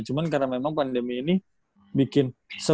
cuma karena memang pandemi ini bikin